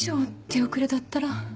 手遅れだったら。